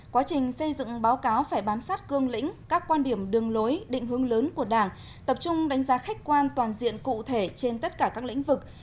quá trình xây dựng báo cáo phải bám sát cương lĩnh các quan điểm đường lối định hướng lớn của đảng tập trung đánh giá khách quan toàn diện cụ thể trên tất cả các lĩnh vực